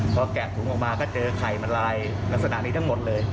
พอแกะถุงออกมาก็เจอไข่มาลายลักษณะนี้ทั้งหมดเลย